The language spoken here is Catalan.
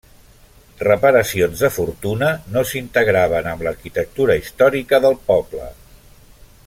Reparacions de fortuna no s'integraven amb l'arquitectura històrica del poble.